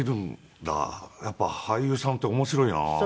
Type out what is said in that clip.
やっぱり俳優さんって面白いなとか。